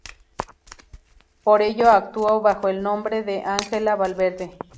Por ello actuó bajo el nombre de Ángela Valverde.